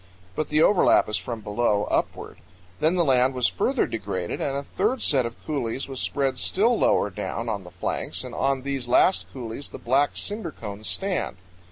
But the overlap is from below upward. Then the land was further degraded, and a third set of coulees was spread still lower down on the flanks, and on these last coulees the black cinder cones stand.